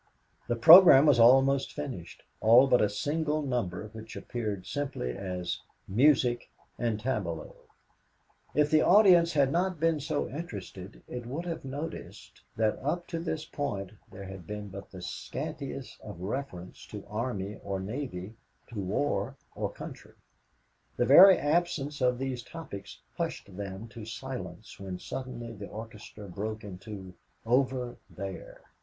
The program was almost finished all but a single number which appeared simply as Music and Tableaux. If the audience had not been so interested, it would have noticed that up to this point there had been but the scantiest of reference to army or navy, to war or country. The very absence of these topics hushed them to silence when suddenly the orchestra broke into "Over There."